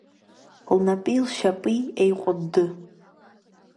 Лнапи лшьапи еиҟәыдды…